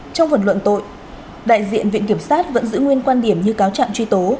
trong vận luận tội đại diện viện kiểm sát vẫn giữ nguyên quan điểm như cáo chạm truy tố